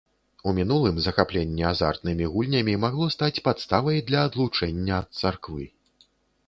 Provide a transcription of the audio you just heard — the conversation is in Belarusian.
У мінулым захапленне азартнымі гульнямі магло стаць падставай для адлучэння ад царквы.